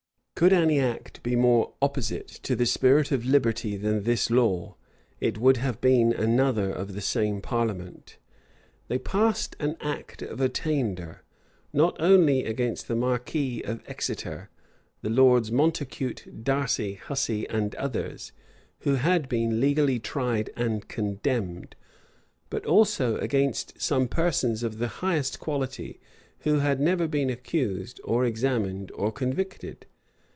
Could any act be more opposite to the spirit of liberty than this law, it would have been another of the same parliament. They passed an act of attainder, not only against the marquis of Exeter, the lords Montacute, Darcy, Hussey, and others, who had been legally tried and condemned, but also against some persons of the highest quality, who had never been accused, or examined, or convicted.